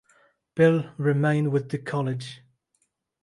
Bill remained with the college.